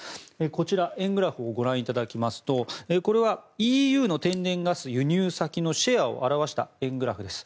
こちら、円グラフをご覧いただきますとこれはＥＵの天然ガス輸入先のシェアを表した円グラフです。